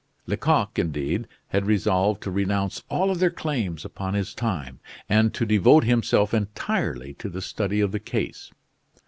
Lecoq, indeed, had resolved to renounce all other claims upon his time, and to devote himself entirely to the study of the case.